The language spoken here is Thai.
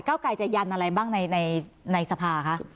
เก้าไกรจะยันอะไรบ้างในสภาคะ